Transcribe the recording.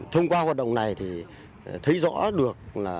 thông qua hoạt động này thì thấy rõ được là